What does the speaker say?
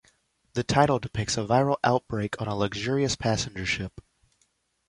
The title depicts a viral outbreak on a luxurious passenger ship.